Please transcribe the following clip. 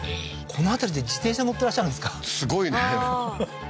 この辺りで自転車乗ってらっしゃるんですか？